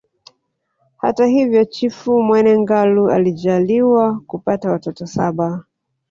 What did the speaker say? Hata hivyo Chifu Mwene Ngalu alijaaliwa kupata watoto saba